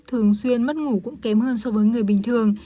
thường xuyên mất ngủ cũng kém hơn so với người bình thường